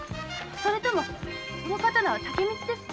それともその刀は竹光ですか？